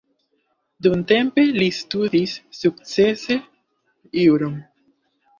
Dumtempe li studis sukcese juron.